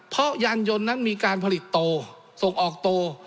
เพราะยานยนต์นั้นมีการผลิตโตส่งออกโต